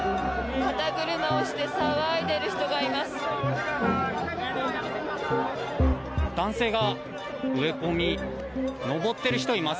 肩車をして騒いでいる人がいます。